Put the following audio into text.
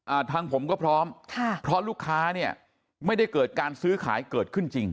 ทางผมก็พร้อมค่ะเพราะลูกค้าเนี่ยไม่ได้เกิดการซื้อขายเกิดขึ้นจริง